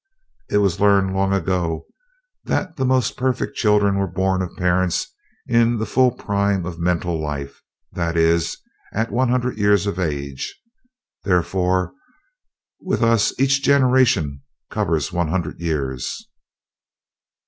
"It was learned long ago that the most perfect children were born of parents in the full prime of mental life, that is, at one hundred years of age. Therefore, with us each generation covers one hundred years.